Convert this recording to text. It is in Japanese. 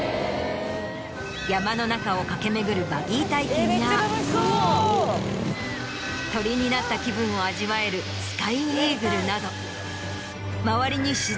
山の中を駆け巡るバギー体験や鳥になった気分を味わえるスカイ・イーグルなど周りに。